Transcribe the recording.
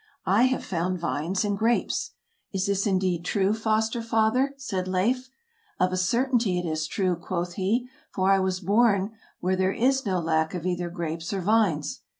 I have found vines and grapes." "Is this indeed true, foster father" ? said Leif. " Of a certainty it is true," quoth he, "for I was born where there is no lack of either grapes or vines."